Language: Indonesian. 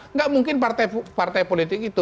nggak mungkin partai politik itu